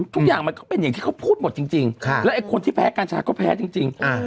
ทุกอย่างมันก็เป็นอย่างที่เขาพูดหมดจริงแล้วไอ้คนที่แพ้กัญชาก็แพ้จริง